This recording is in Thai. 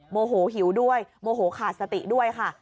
โมโหหิวด้วยโมโหขาดสติด้วยค่ะ